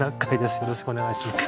よろしくお願いします。